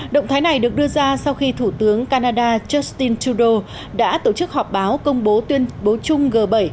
động thái này được đưa ra sau khi thủ tướng canada justin trudeau đã tổ chức họp báo công bố tuyên bố chung g bảy